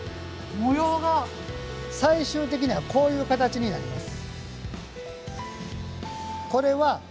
最終的にはこういう形になります。